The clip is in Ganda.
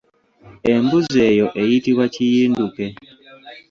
Embuzi eyo eyitibwa kiyinduke.